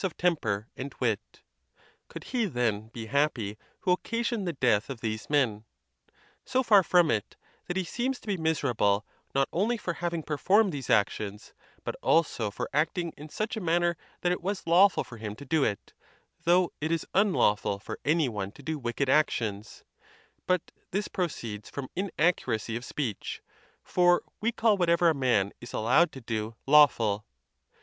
of temper, and wit. Could he, then, be happy who occasioned the | death of these men? So far from it, that he seems to be miserable, not only for having performed these actions, but also for acting in such a manner that it was lawful for him to do it, though it is unlawful for any one to do wicked actions; but this proceeds from inaccuracy of speech, for we call whatever a man is allowed to do lawful.